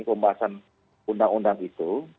pembahasan undang undang itu